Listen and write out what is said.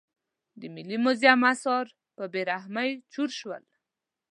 د ملي موزیم اثار په بې رحمۍ چور شول.